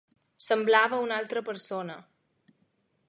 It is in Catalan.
Semblava una altra persona.